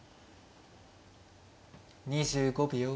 ２５秒。